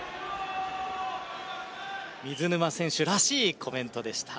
水沼選手らしいコメントでした。